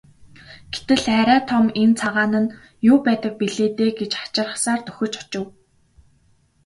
Гэтэл арай том энэ цагаан нь юу байдаг билээ дээ гэж хачирхсаар дөхөж очив.